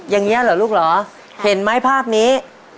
อย่างนี้เหรอลูกเหรอเห็นไหมภาพนี้